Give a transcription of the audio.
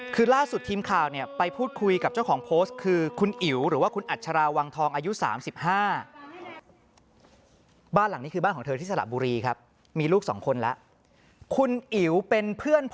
คือล่าสุดทีมข่าวเนี่ยไปพูดคุยกับเจ้าของโพสต์คือคุณอิ๋วหรือว่าคุณอัชราวังทองอายุ๓๕